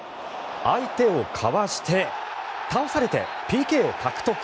相手をかわして倒されてＰＫを獲得。